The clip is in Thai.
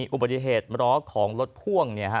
อุบัติเหตุล้อของรถพ่วง